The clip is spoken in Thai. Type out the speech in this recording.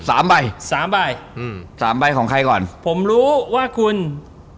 สามใบสามใบอืมสามใบของใครก่อนผมรู้ว่าคุณ